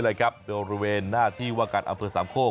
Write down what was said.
โดยบริเวณหน้าที่ว่าการอำเภอสามโคก